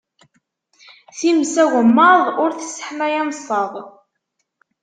Times ugemmaḍ, ur tesseḥmay ameṣṣaḍ.